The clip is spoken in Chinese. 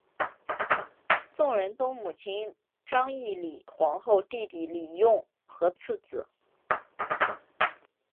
宋仁宗母亲章懿李皇后弟弟李用和次子。